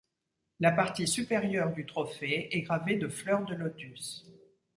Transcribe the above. La partie supérieure du trophée est gravé de fleurs de lotus.